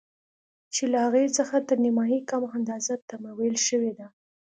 چې له هغې څخه تر نيمايي کمه اندازه تمويل شوې ده.